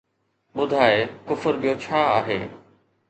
ٻڌاءِ ڪفر ٻيو ڇا آهي!